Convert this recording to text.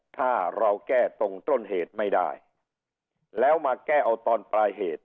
ถ้าเราแก้ตรงต้นเหตุไม่ได้แล้วมาแก้เอาตอนปลายเหตุ